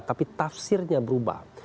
tapi tafsirnya berubah